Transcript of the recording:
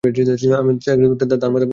তার মাথায় আগুন।